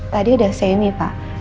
tadi udah saya ini pak